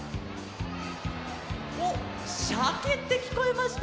おっシャケってきこえました。